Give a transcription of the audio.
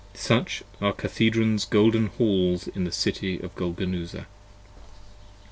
73 SUCH are Cathedron's golden Halls in the City of Golgonooza.